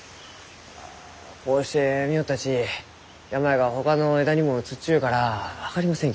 こうして見よったち病がほかの枝にもうつっちゅうからあ分かりません